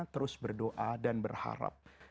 terus berdoa dan berharap